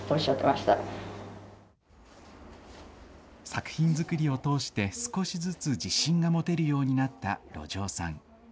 作品作りを通して少しずつ自信が持てるようになった路上さん。